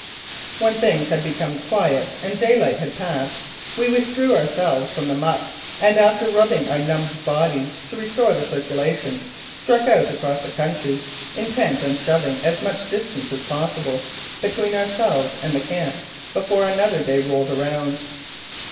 When things had become quiet and daylight had passed we withdrew ourselves from the muck, and after rubbing our numbed bodies to restore the circulation, struck out across the country, intent on shoving as much distance as possible between ourselves and the camp before another day rolled round.